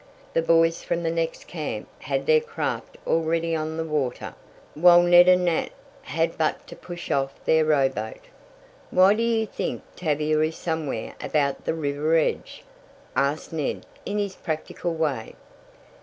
The boys from the next camp had their craft already on the water, while Ned and Nat had but to push off their rowboat. "Why do you think Tavia is somewhere about the river edge?" asked Ned in his practical way.